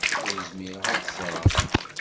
Ur zmireɣ ad t-ẓreɣ.